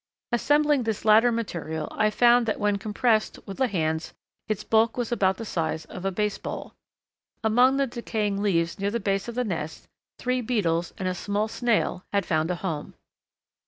Assembling this latter material I found that when compressed with the hands its bulk was about the size of a baseball. Among the decaying leaves near the base of the nest three beetles and a small snail had found a home.